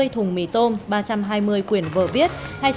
năm mươi thùng mì tôm ba trăm hai mươi quyển vở viết